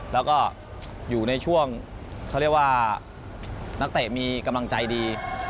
แล้วก็อยู่ในช่วงเขาเรียกว่านักเตะมีกำลังใจดี